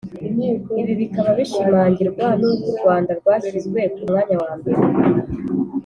Ibi bikaba bishimangirwa n uko u Rwanda rwashyizwe ku mwanya wambere